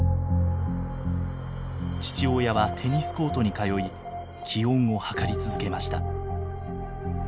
父親はテニスコートに通い気温を測り続けました。